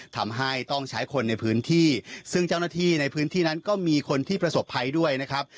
ทำให้ต้องใช้คนในพื้นที่ซึ่งเจ้าหน้าที่ในพื้นที่นั้นก็มีคนที่ประสบภัยด้วยนะครับ